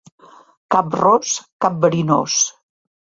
Cap ros, cap verinós.